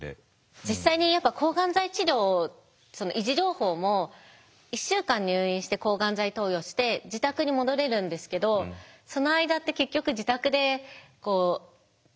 実際にやっぱ抗がん剤治療を維持療法も１週間入院して抗がん剤投与して自宅に戻れるんですけどその間って結局自宅で待機していなきゃいけないというか